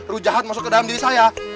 ruh jahat masuk ke dalam diri saya